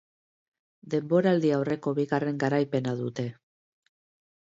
Denboraldi-aurreko bigarren garaipena dute.